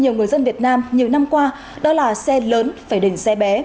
nhiều người dân việt nam nhiều năm qua đó là xe lớn phải đỉnh xe bé